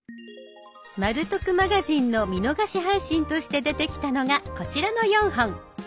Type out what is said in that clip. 「まる得マガジン」の見逃し配信として出てきたのがこちらの４本。